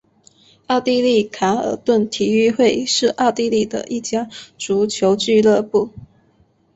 奥地利卡尔顿体育会是奥地利的一家足球俱乐部。